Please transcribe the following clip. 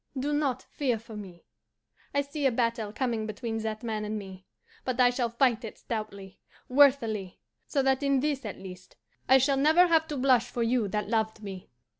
Do not fear for me. I see a battle coming between that man and me, but I shall fight it stoutly, worthily, so that in this, at least, I shall never have to blush for you that you loved me.